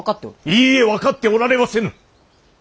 いいえ分かっておられませぬ！